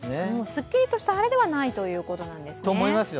スッキリとした晴れではないということなんですね。